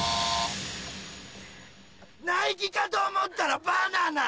ナイキかと思ったらバナナ！